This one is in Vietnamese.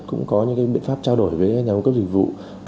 cũng có những cái biện pháp trao đổi với nhà ngôn cấp dịch vụ